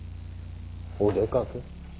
お出かけ？